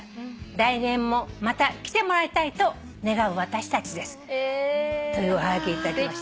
「来年もまた来てもらいたいと願う私たちです」というおはがき頂きました。